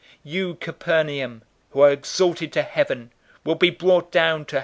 010:015 You, Capernaum, who are exalted to heaven, will be brought down to Hades.